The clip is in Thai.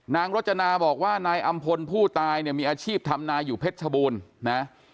รจนาบอกว่านายอำพลผู้ตายเนี่ยมีอาชีพทำนาอยู่เพชรชบูรณ์นะ